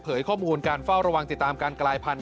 ข้อมูลการเฝ้าระวังติดตามการกลายพันธุ